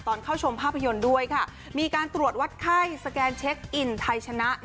เข้าชมภาพยนตร์ด้วยค่ะมีการตรวจวัดไข้สแกนเช็คอินไทยชนะ